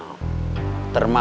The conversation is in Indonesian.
keser darman dari terminal